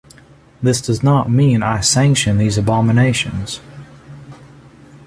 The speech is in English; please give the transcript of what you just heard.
This does not mean I sanction these abominations.